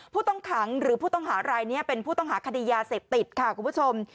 ผู้ต้องขังหรือผู้ต้องหารายนี้เป็นผู้ต้องหาคดียาเสพติดค่ะคุณผู้ชม